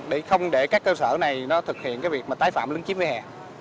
để không để các cơ sở này nó thực hiện cái việc mà tái phạm lấn chiếm vỉa hè